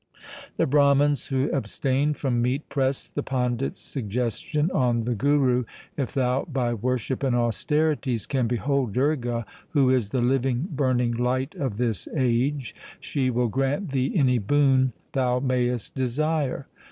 The Brahmans who abstained from meat pressed the pandit's suggestion on the Guru, ' If thou by worship and austerities can behold Durga, who is the living burning light of this age, she will grant thee any boon thou mayest desire.'